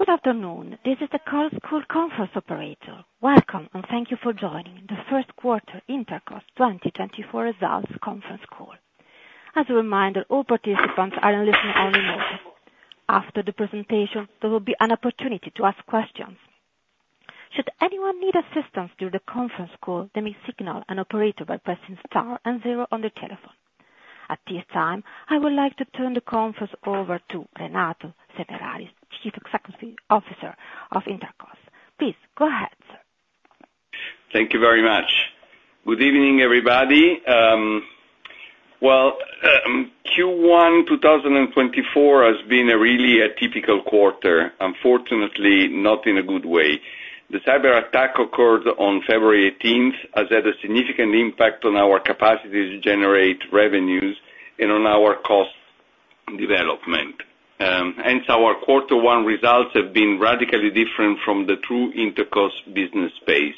Good afternoon. This is the Chorus Call conference operator. Welcome, and thank you for joining the first quarter Intercos 2024 results conference call. As a reminder, all participants are in listen only mode. After the presentation, there will be an opportunity to ask questions. Should anyone need assistance during the conference call, they may signal an operator by pressing star and zero on the telephone. At this time, I would like to turn the conference over to Renato Semerari, Chief Executive Officer of Intercos. Please go ahead, sir. Thank you very much. Good evening, everybody. Q1 2024 has been a really atypical quarter, unfortunately, not in a good way. The cyber attack occurred on February 18, has had a significant impact on our capacity to generate revenues and on our cost development. Hence, our Q1 results have been radically different from the true Intercos business pace.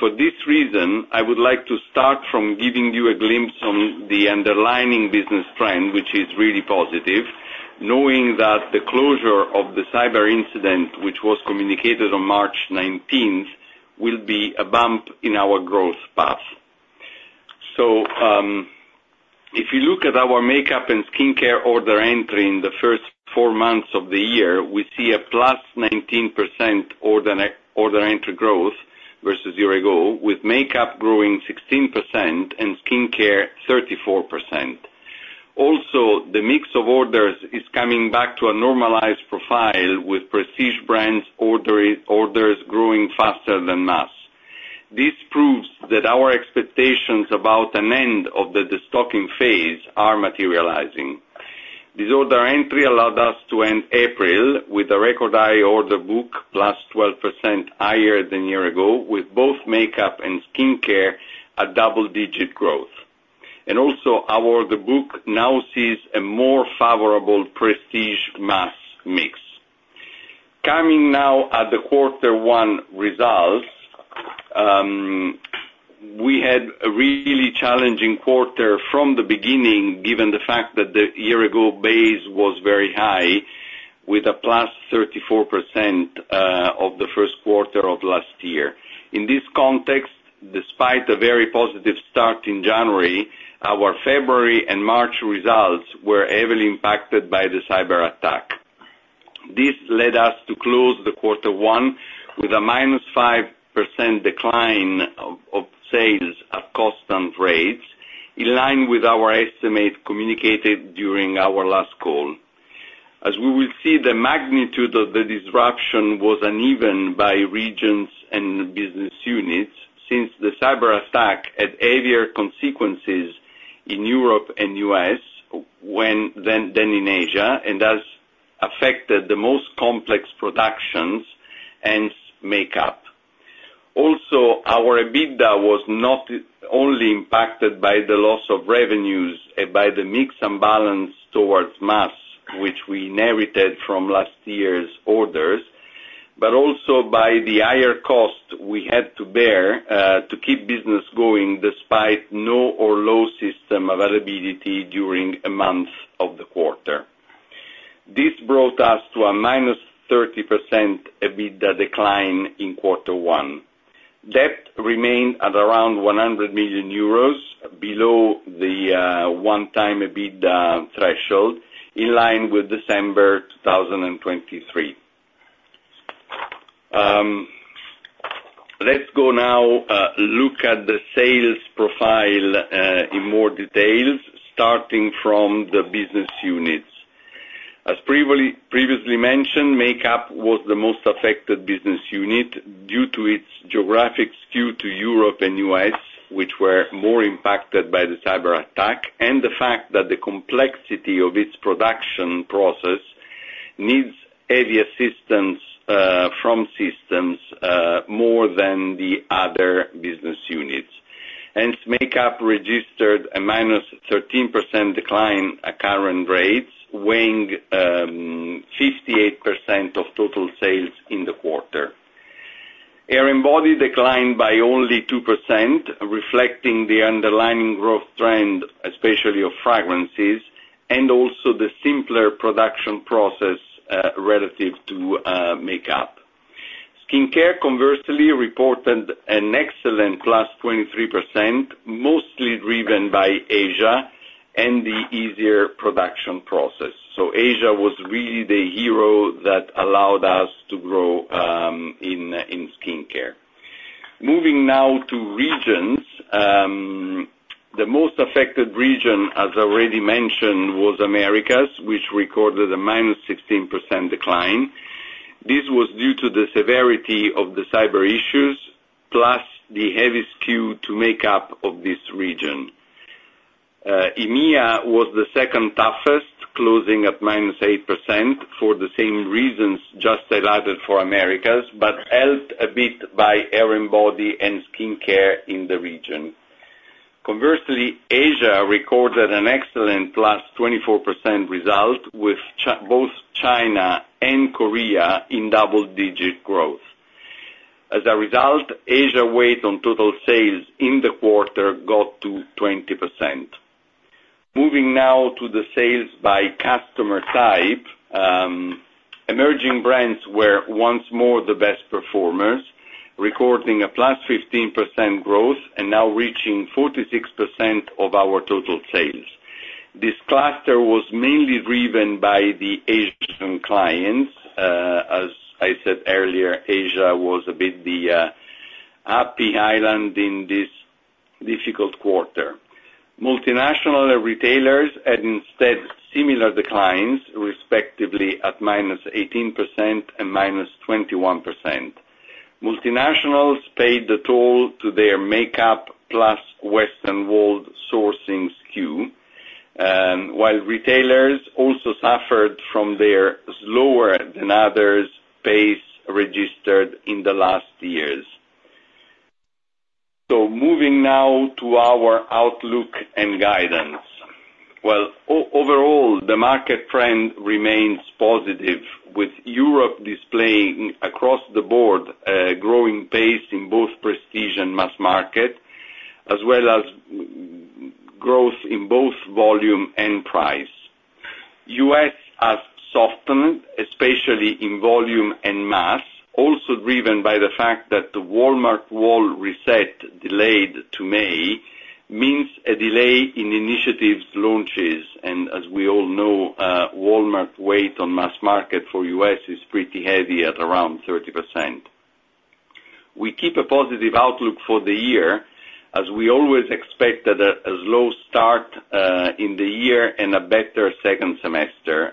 For this reason, I would like to start from giving you a glimpse on the underlying business trend, which is really positive, knowing that the closure of the cyber incident, which was communicated on March 19, will be a bump in our growth path. So, if you look at our makeup and skincare order entry in the first 4 months of the year, we see a +19% order entry growth versus year ago, with makeup growing 16% and skincare 34%. Also, the mix of orders is coming back to a normalized profile, with prestige brands orders growing faster than mass. This proves that our expectations about an end of the destocking phase are materializing. This order entry allowed us to end April with a record high order book, +12% higher than year ago, with both makeup and skincare at double-digit growth. And also our order book now sees a more favorable prestige mass mix. Coming now at the quarter one results, we had a really challenging quarter from the beginning, given the fact that the year ago base was very high, with a +34% of the first quarter of last year. In this context, despite a very positive start in January, our February and March results were heavily impacted by the cyber attack. This led us to close the quarter one with a -5% decline of sales at constant rates, in line with our estimate communicated during our last call. As we will see, the magnitude of the disruption was uneven by regions and business units since the cyber attack had heavier consequences in Europe and US than in Asia, and has affected the most complex productions and makeup. Also, our EBITDA was not only impacted by the loss of revenues and by the mix imbalance towards mass, which we inherited from last year's orders, but also by the higher cost we had to bear to keep business going despite no or low system availability during a month of the quarter. This brought us to a minus 30% EBITDA decline in quarter one. Debt remained at around 100 million euros, below the one times EBITDA threshold, in line with December 2023. Let's go now look at the sales profile in more details, starting from the business units. As previously mentioned, Make-up was the most affected business unit due to its geographic skew to Europe and US, which were more impacted by the cyber attack, and the fact that the complexity of its production process needs heavy assistance from systems more than the other business units. Hence, Make-up registered a -13% decline at current rates, weighing 58% of total sales in the quarter. Hair & Body declined by only 2%, reflecting the underlying growth trend, especially of fragrances, and also the simpler production process relative to Make-up. Skincare, conversely, reported an excellent +23%, mostly driven by Asia and the easier production process. So Asia was really the hero that allowed us to grow in skincare. Moving now to regions. The most affected region, as already mentioned, was Americas, which recorded a -16% decline. This was due to the severity of the cyber issues, plus the heavy skew to make-up of this region. EMEA was the second toughest, closing at -8% for the same reasons just highlighted for Americas, but helped a bit by hair and body and skincare in the region. Conversely, Asia recorded an excellent +24% result, with both China and Korea in double-digit growth. As a result, Asia weight on total sales in the quarter got to 20%. Moving now to the sales by customer type, emerging brands were once more the best performers, recording a +15% growth and now reaching 46% of our total sales. This cluster was mainly driven by the Asian clients. As I said earlier, Asia was a bit the happy island in this difficult quarter. Multinational retailers had instead similar declines, respectively, at -18% and -21%. Multinationals paid the toll to their makeup plus Western world sourcing SKU, while retailers also suffered from their slower than others pace registered in the last years. So moving now to our outlook and guidance. Overall, the market trend remains positive, with Europe displaying across the board, a growing pace in both prestige and mass market, as well as growth in both volume and price. US has softened, especially in volume and mass, also driven by the fact that the Walmart wall reset delayed to May, means a delay in initiatives launches, and as we all know, Walmart weight on mass market for US is pretty heavy at around 30%. We keep a positive outlook for the year, as we always expect that a slow start in the year and a better second semester,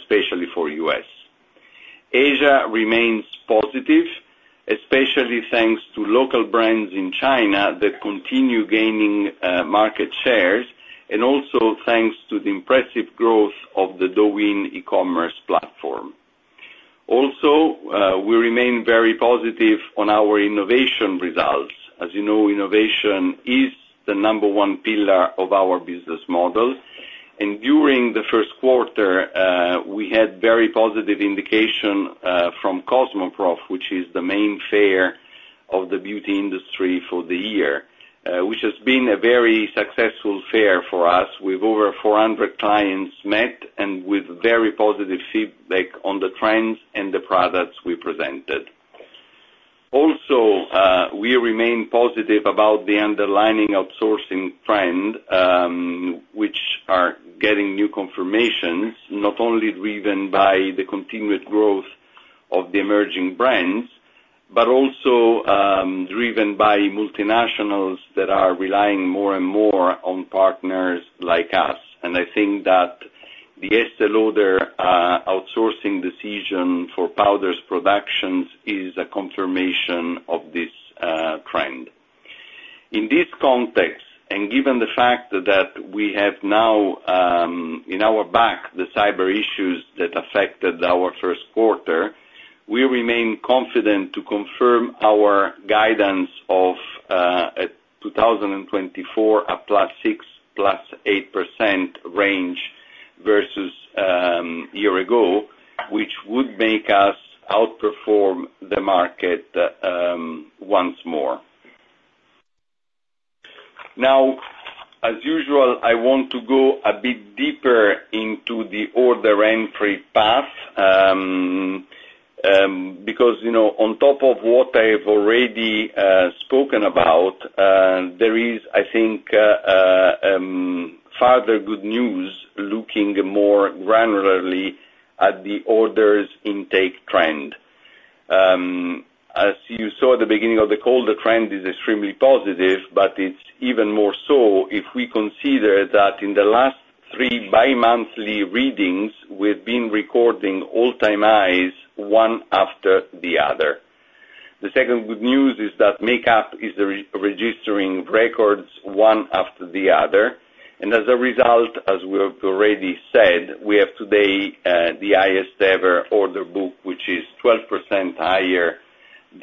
especially for U.S. Asia remains positive, especially thanks to local brands in China that continue gaining market shares, and also thanks to the impressive growth of the Douyin e-commerce platform. Also, we remain very positive on our innovation results. As you know, innovation is the number one pillar of our business model, and during the first quarter, we had very positive indication from Cosmoprof, which is the main fair of the beauty industry for the year, which has been a very successful fair for us, with over 400 clients met and with very positive feedback on the trends and the products we presented. Also, we remain positive about the underlying outsourcing trend, which are getting new confirmations, not only driven by the continued growth of the emerging brands, but also, driven by multinationals that are relying more and more on partners like us. And I think that the Estée Lauder outsourcing decision for powders production is a confirmation of this trend. In this context, and given the fact that we have now, behind us, the cyber issues that affected our first quarter, we remain confident to confirm our guidance of at 2024, a +6% to +8% range versus year ago, which would make us outperform the market once more. Now, as usual, I want to go a bit deeper into the order entry path, because, you know, on top of what I've already spoken about, there is, I think, further good news, looking more granularly at the orders intake trend. As you saw at the beginning of the call, the trend is extremely positive, but it's even more so if we consider that in the last three bi-monthly readings, we've been recording all-time highs, one after the other. The second good news is that makeup is re-registering records, one after the other, and as a result, as we have already said, we have today the highest ever order book, which is 12% higher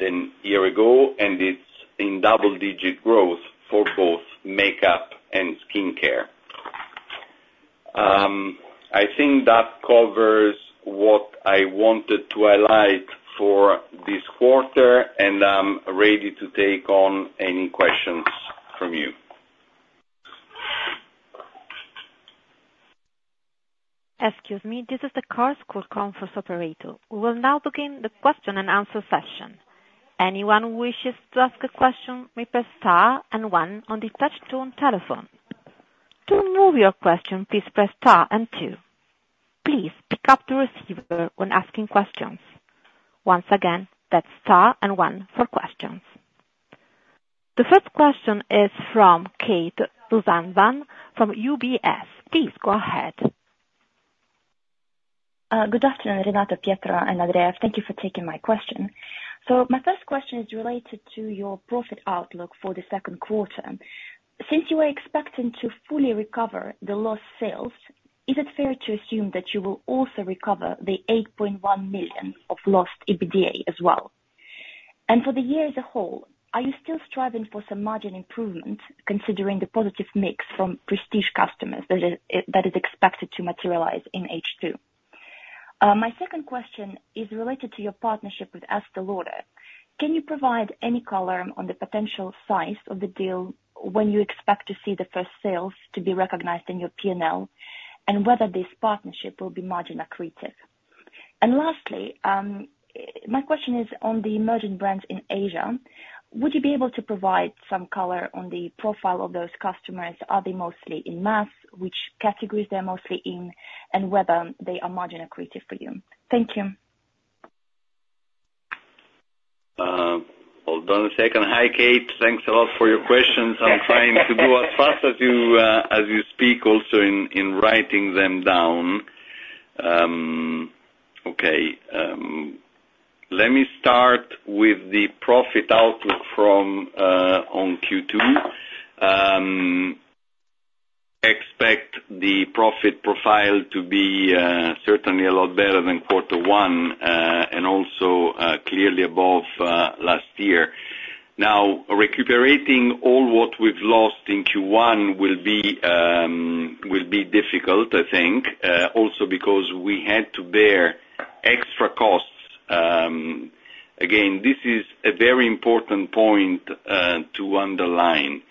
than year ago, and it's in double-digit growth for both makeup and skincare.I think that covers what I wanted to highlight for this quarter, and I'm ready to take on any questions from you. Excuse me, this is the Chorus Call conference operator. We will now begin the question and answer session. Anyone who wishes to ask a question may press star and one on the touch tone telephone. To remove your question, please press star and two. Please pick up the receiver when asking questions. Once again, that's star and one for questions. The first question is from Kate Rusanova from UBS. Please go ahead. Good afternoon, Renato, Pietro and Andrea. Thank you for taking my question. So my first question is related to your profit outlook for the second quarter. Since you are expecting to fully recover the lost sales, is it fair to assume that you will also recover the 8.1 million of lost EBITDA as well? And for the year as a whole, are you still striving for some margin improvement, considering the positive mix from prestige customers that is, that is expected to materialize in H2? My second question is related to your partnership with Estée Lauder. Can you provide any color on the potential size of the deal, when you expect to see the first sales to be recognized in your P&L, and whether this partnership will be margin accretive? And lastly, my question is on the emerging brands in Asia, would you be able to provide some color on the profile of those customers? Are they mostly in mass, which categories they're mostly in, and whether they are margin accretive for you? Thank you. Hold on a second. Hi, Kate. Thanks a lot for your questions. I'm trying to go as fast as you as you speak, also in writing them down. Okay, let me start with the profit outlook from on Q2. Expect the profit profile to be certainly a lot better than quarter one, and also clearly above last year. Now, recuperating all what we've lost in Q1 will be difficult, I think, also because we had to bear extra costs. Again, this is a very important point to underline.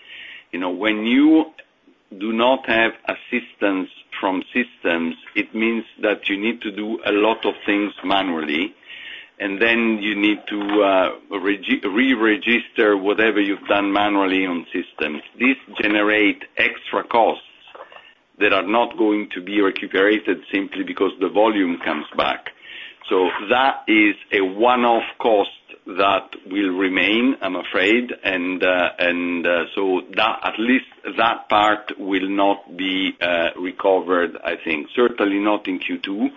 You know, when you do not have assistance from systems, it means that you need to do a lot of things manually, and then you need to re-register whatever you've done manually on systems. These generate extra costs that are not going to be recuperated simply because the volume comes back. So that is a one-off cost that will remain, I'm afraid, and, so that, at least that part will not be recovered, I think. Certainly not in Q2.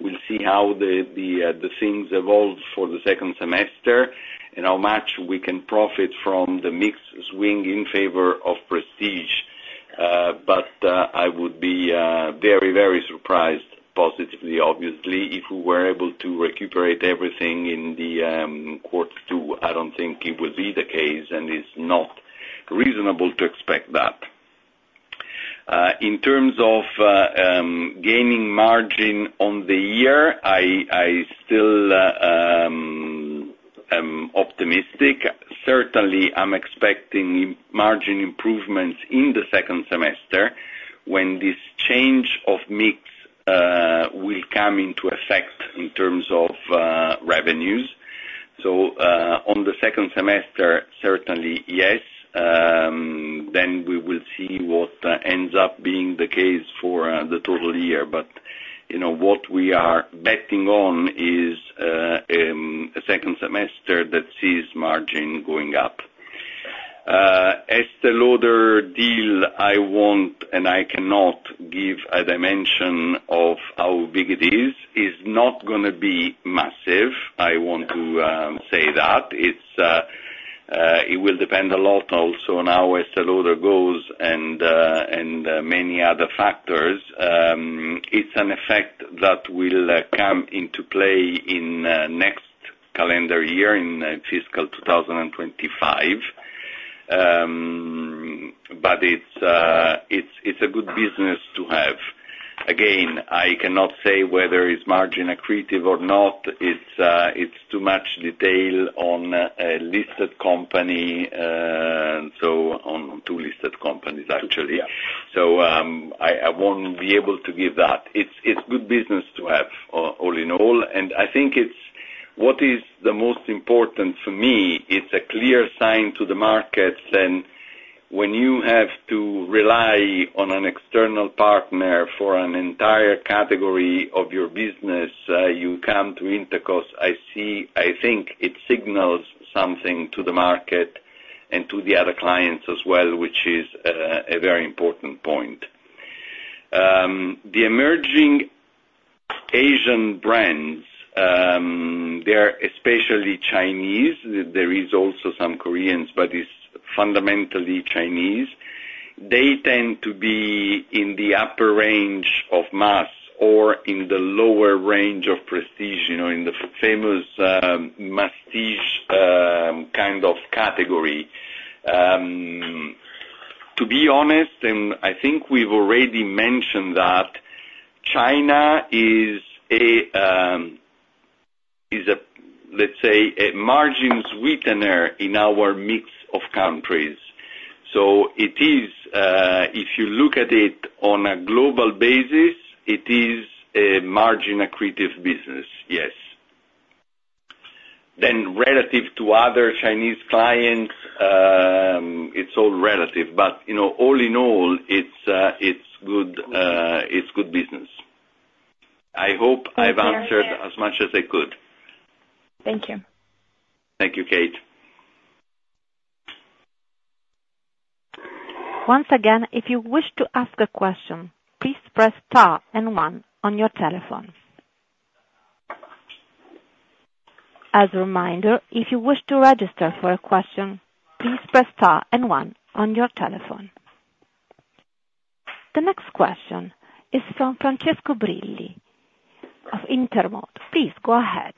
We'll see how the things evolve for the second semester and how much we can profit from the mix swing in favor of prestige. But I would be very, very surprised, positively, obviously, if we were able to recuperate everything in the quarter two. I don't think it will be the case, and it's not reasonable to expect that. In terms of gaining margin on the year, I still am optimistic. Certainly, I'm expecting margin improvements in the second semester when this change of mix will come into effect in terms of revenues. So, on the second semester, certainly, yes. Then we will see what ends up being the case for the total year. But, you know, what we are betting on is a second semester that sees margin going up. Estée Lauder deal, I won't, and I cannot give a dimension of how big it is. It's not gonna be massive, I want to say that. It's, it will depend a lot also on how Estée Lauder goes and, and many other factors. It's an effect that will come into play in next calendar year, in fiscal 2025. But it's, it's, it's a good business to have. Again, I cannot say whether it's margin accretive or not. It's, it's too much detail on a listed company, so on two listed companies, actually. So, I, I won't be able to give that. It's, it's good business to have, all in all, and I think it's... What is the most important for me, it's a clear sign to the markets, and when you have to rely on an external partner for an entire category of your business, you come to Intercos, I see, I think it signals something to the market and to the other clients as well, which is a, a very important point. The emerging Asian brands, they're especially Chinese. There is also some Koreans, but it's fundamentally Chinese. They tend to be in the upper range of mass or in the lower range of prestige, you know, in the famous, masstige, kind of category. To be honest, and I think we've already mentioned that China is a, is a, let's say, a margin sweetener in our mix of countries. So it is, if you look at it on a global basis, it is a margin accretive business, yes. Then relative to other Chinese clients, it's all relative, but, you know, all in all, it's good, it's good business. I hope I've answered- Thank you. as much as I could. Thank you. Thank you, Kate. Once again, if you wish to ask a question, please press star and one on your telephone. As a reminder, if you wish to register for a question, please press star and one on your telephone. The next question is from Francesco Brilli of Intermonte. Please go ahead. ...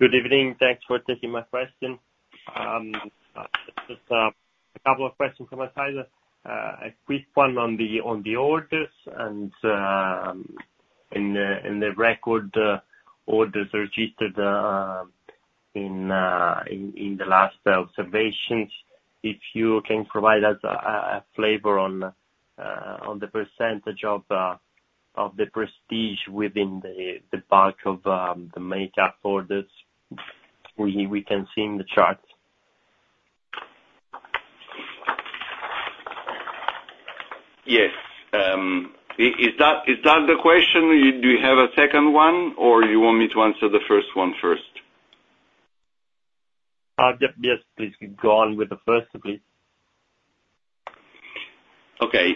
Good evening. Thanks for taking my question. Just a couple of questions from my side. A quick one on the orders, and in the record orders registered in the last observations, if you can provide us a flavor on the percentage of the prestige within the bulk of the makeup orders we can see in the charts? Yes. Is that the question? Do you have a second one, or you want me to answer the first one first? Just, yes, please go on with the first, please. Okay,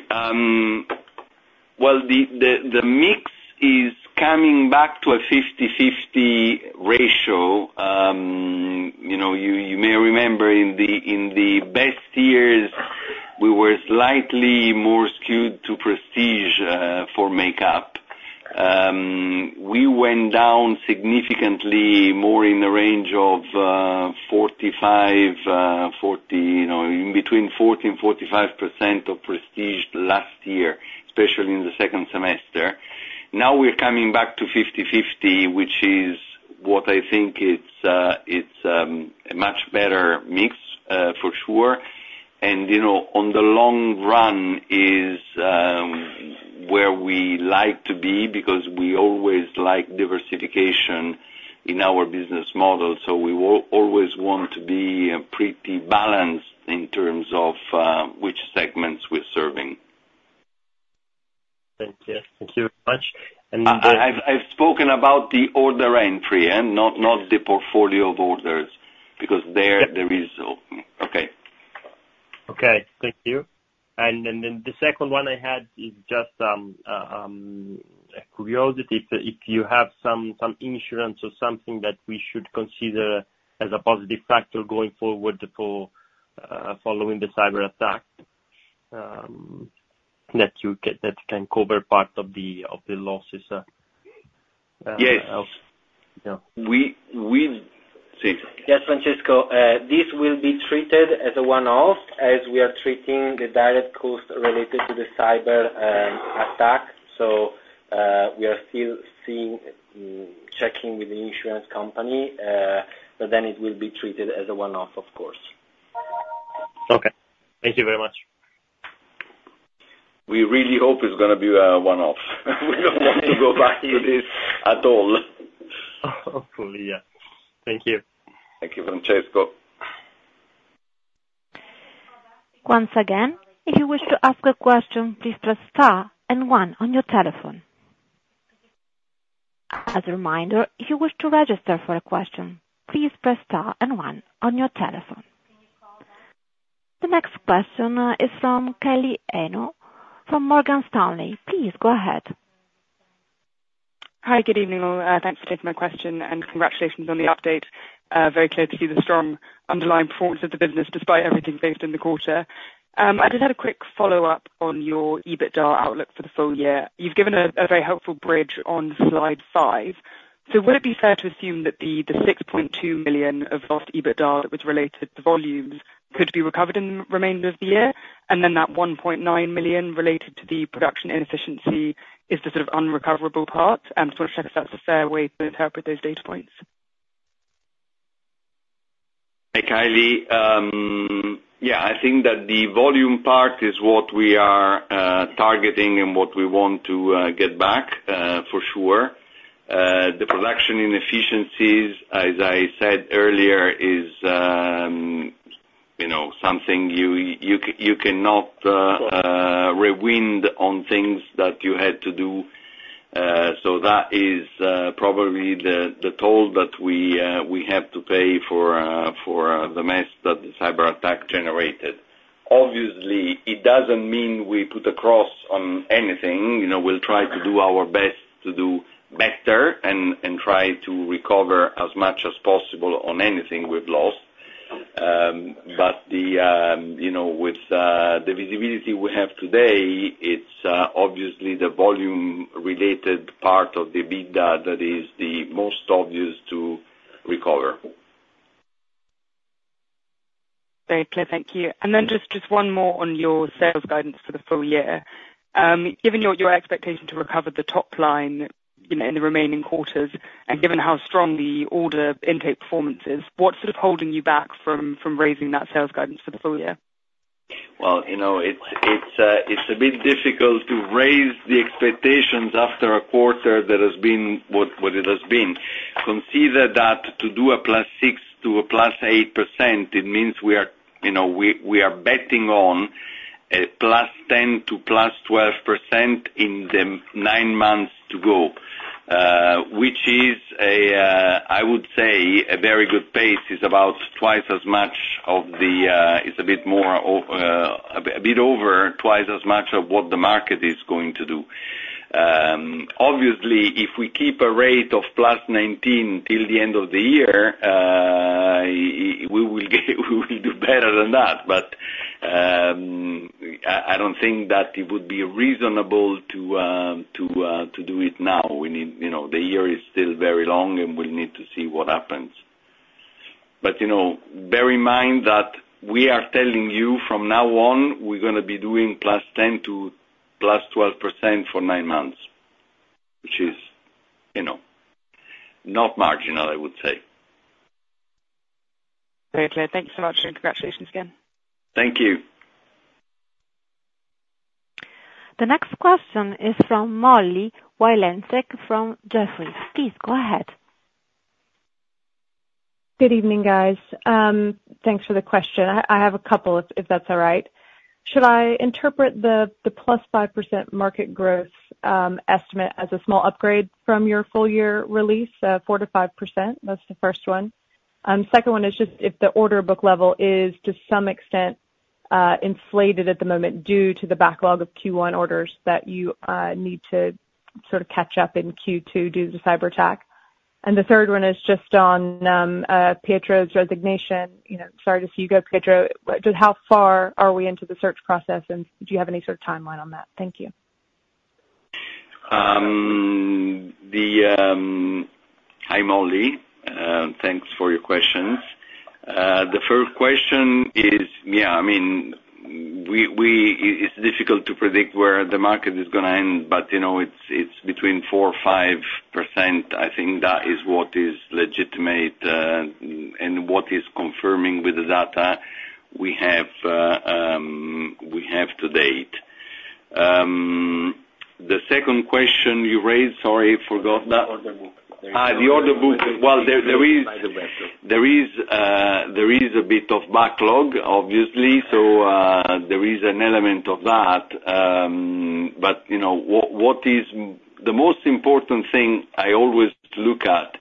well, the mix is coming back to a 50/50 ratio. You know, you may remember in the best years, we were slightly more skewed to prestige for makeup. We went down significantly more in the range of 45, 40, you know, in between 40%-45% of prestige last year, especially in the second semester. Now, we're coming back to 50/50, which is what I think it's a much better mix for sure. And, you know, on the long run is where we like to be, because we always like diversification in our business model, so we will always want to be pretty balanced in terms of which segments we're serving. Thank you. Thank you very much. I've spoken about the order entry, yeah, not the portfolio of orders, because there the result. Okay. Okay. Thank you. And then the second one I had is just a curiosity. If you have some insurance or something that we should consider as a positive factor going forward for following the cyber attack, that can cover part of the losses? Yes. Yeah. Si. Yes, Francesco, this will be treated as a one-off, as we are treating the direct costs related to the cyber attack. So, we are still seeing, checking with the insurance company, but then it will be treated as a one-off, of course. Okay. Thank you very much. We really hope it's gonna be a one-off. We don't want to go back to this at all. Hopefully, yeah. Thank you. Thank you, Francesco. Once again, if you wish to ask a question, please press star and one on your telephone. As a reminder, if you wish to register for a question, please press star and one on your telephone. The next question is from Tilly Hine, from Morgan Stanley. Please go ahead. Hi. Good evening, all. Thanks for taking my question, and congratulations on the update. Very clear to see the strong underlying performance of the business, despite everything faced in the quarter. I just had a quick follow-up on your EBITDA outlook for the full year. You've given a, a very helpful bridge on slide 5. So would it be fair to assume that the, the 6.2 million of lost EBITDA that was related to volumes could be recovered in the remainder of the year? And then that 1.9 million related to the production inefficiency is the sort of unrecoverable part, and sort of check if that's a fair way to interpret those data points. Hi, Tilly. Yeah, I think that the volume part is what we are targeting and what we want to get back for sure. The production inefficiencies, as I said earlier, is you know, something you cannot rewind on things that you had to do. So that is probably the toll that we have to pay for the mess that the cyber attack generated. Obviously, it doesn't mean we put a cross on anything. You know, we'll try to do our best to do better and try to recover as much as possible on anything we've lost. But you know, with the visibility we have today, it's obviously the volume-related part of the EBITDA that is the most obvious to recover. Very clear. Thank you. And then just one more on your sales guidance for the full year. Given your expectation to recover the top line, you know, in the remaining quarters, and given how strong the order intake performance is, what's sort of holding you back from raising that sales guidance for the full year? Well, you know, it's a bit difficult to raise the expectations after a quarter that has been what it has been. Consider that to do a +6%-+8%, it means we are, you know, we are betting on a +10%-+12% in the nine months to go, which is a, I would say, a very good pace. It's about twice as much of the, it's a bit more, a bit over twice as much of what the market is going to do. Obviously, if we keep a rate of +19% till the end of the year... better than that, but, I don't think that it would be reasonable to, to do it now. We need, you know, the year is still very long, and we need to see what happens. But, you know, bear in mind that we are telling you from now on, we're gonna be doing +10%-+12% for nine months, which is, you know, not marginal, I would say. Very clear. Thank you so much, and congratulations again. Thank you. The next question is from Molly Wylenzek from Jefferies. Please go ahead. Good evening, guys. Thanks for the question. I have a couple, if that's all right. Should I interpret the plus 5% market growth estimate as a small upgrade from your full year release, 4%-5%? That's the first one. Second one is just if the order book level is, to some extent, inflated at the moment due to the backlog of Q1 orders that you need to sort of catch up in Q2 due to the cyber attack. And the third one is just on Pietro's resignation, you know, sorry to see you go, Pietro. Just how far are we into the search process, and do you have any sort of timeline on that? Thank you. Hi, Molly, thanks for your questions. The first question is, yeah, I mean, it's difficult to predict where the market is gonna end, but, you know, it's between 4%-5%. I think that is what is legitimate, and what is confirming with the data we have to date. The second question you raised, sorry, I forgot that. The Order book. Ah, the order book. Well, there is a bit of backlog, obviously, so there is an element of that. But, you know, the most important thing I always look at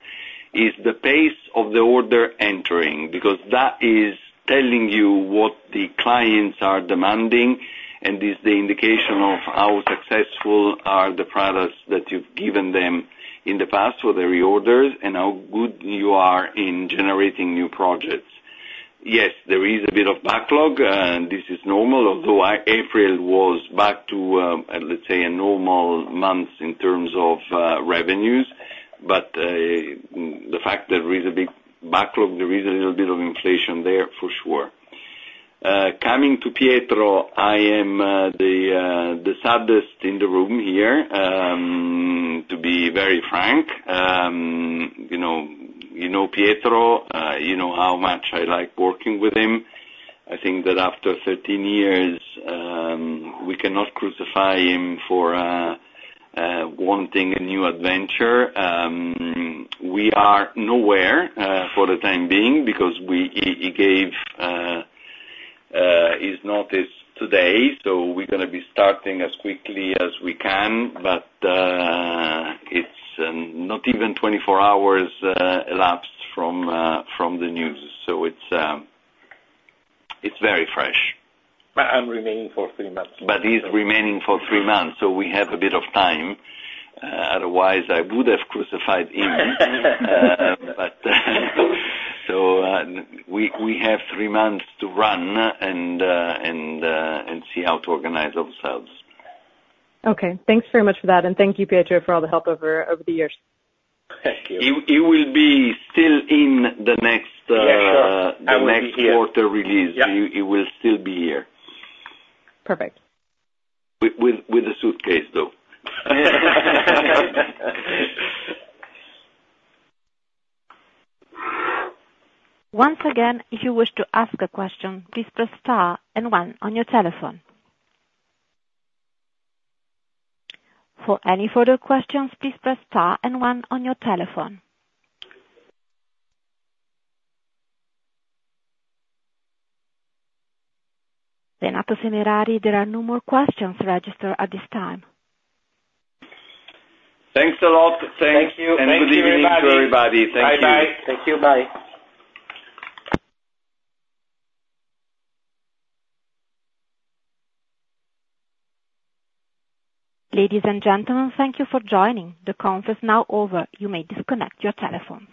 is the pace of the order entry, because that is telling you what the clients are demanding, and is the indication of how successful are the products that you've given them in the past, or the reorders, and how good you are in generating new projects. Yes, there is a bit of backlog, and this is normal, although April was back to, let's say, a normal month in terms of revenues. But the fact there is a big backlog, there is a little bit of inflation there, for sure. Coming to Pietro, I am the saddest in the room here, to be very frank. You know, you know Pietro, you know how much I like working with him. I think that after thirteen years, we cannot crucify him for wanting a new adventure. We are nowhere for the time being because he gave his notice today, so we're gonna be starting as quickly as we can, but it's not even 24 hours elapsed from the news. So it's very fresh. But I'm remaining for three months. But he's remaining for three months, so we have a bit of time. Otherwise, I would have crucified him. We have three months to run and see how to organize ourselves. Okay. Thanks very much for that, and thank you, Pietro, for all the help over the years. Thank you. He will be still in the next Yeah, sure. I will be here. The next quarter release. Yeah. He will still be here. Perfect. With a suitcase, though. Once again, if you wish to ask a question, please press star and one on your telephone. For any further questions, please press star and one on your telephone. Renato Semerari, there are no more questions registered at this time. Thanks a lot. Thank you. Good evening to everybody. Thank you. Bye-bye. Thank you. Bye. Ladies and gentlemen, thank you for joining. The call is now over. You may disconnect your telephones.